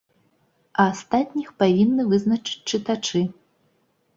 А астатніх павінны вызначыць чытачы.